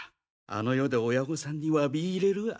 あの世で親御さんに詫び入れるわ。